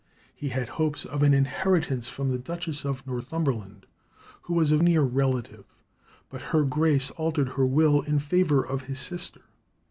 He had hopes of an inheritance from the Duchess of Northumberland, who was a near relative, but her Grace altered her will in favour of his sister.